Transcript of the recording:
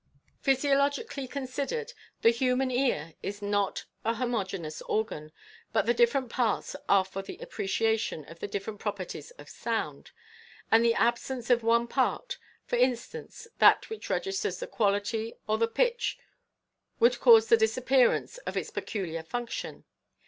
56 MACCABEES ART OF VENTRILOQUISM. Physiologically considered, the human ear is not a homo geneous organ, but the different parts are for the appreciation of the different properties of sound; and the absence of one part — for instance, that which registers the quality, or the pitch, would cause the disappearance of its peculiar function.